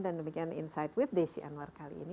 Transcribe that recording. demikian insight with desi anwar kali ini